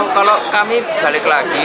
gak tahu kalau kami balik lagi